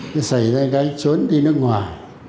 xảy ra cái trốn đi nước ngoài